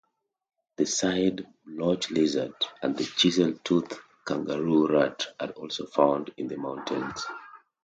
The side-blotched lizard and the chisel-toothed kangaroo rat are also found in the mountains.